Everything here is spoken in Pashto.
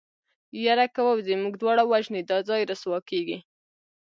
يره که ووځې موږ دواړه وژني دا ځای رسوا کېږي.